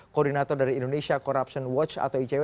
koordinator dari indonesia corruption watch atau icw